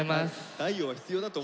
太陽は必要だと思いますよ。